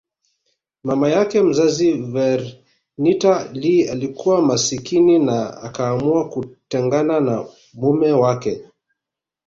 Mama yake mzazi Vernita Lee alikuwa masikini na akaamua kutengana na mume wake